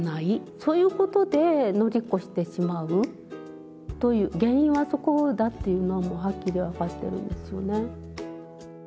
そういうことで乗り越してしまうという原因はそこだっていうのはもうはっきり分かってるんですよね。